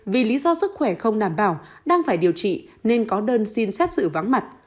vì lý do sức khỏe không đảm bảo đang phải điều trị nên có đơn xin xét xử vắng mặt